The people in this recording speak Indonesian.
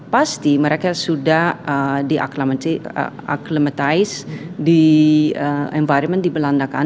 pasti mereka sudah diaklimatize di environment di belanda kan